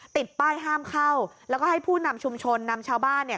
ติดป้ายห้ามเข้าแล้วก็ให้ผู้นำชุมชนนำชาวบ้านเนี่ย